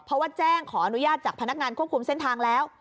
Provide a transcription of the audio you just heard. เพราะว่าแจ้งขออนุญาตจากพนักงานควบคุมเส้นทางแล้ว